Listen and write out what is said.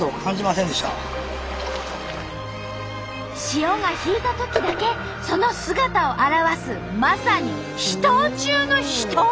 潮が引いたときだけその姿を現すまさに秘湯中の秘湯！